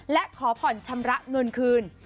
และขอผ่อนชำระเงินคืน